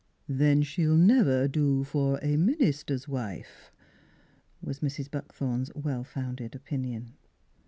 "" Then she'll never do for a minister's wife," was Mrs. Buckthorn's well founded opinion.